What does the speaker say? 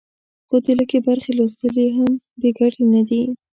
خو د لږې برخې لوستل یې هم بې ګټې نه دي.